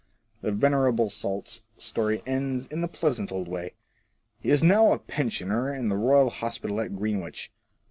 The venerable salt's story ends in the pleasant old way : "He is now a pensioner in the Boyal Hospital at Greenwich."